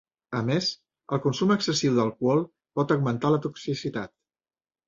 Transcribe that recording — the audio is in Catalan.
A més, el consum excessiu d'alcohol pot augmentar la toxicitat.